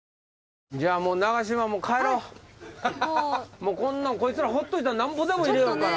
もうこいつらほっといたらなんぼでも入れよるから。